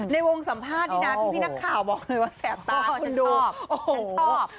ในวงสัมภาษณ์นี่นะพี่นักข่าวบอกเลยว่าแสบตาคุณดูฉันชอบ